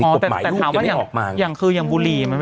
อ๋อแต่แต่ถามว่าอย่างอย่างคือยังบุหรี่มันไม่ได้